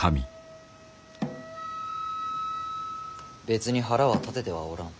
別に腹は立ててはおらん。